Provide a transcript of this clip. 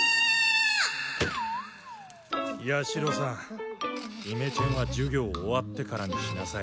八尋さんイメチェンは授業終わってからにしなさい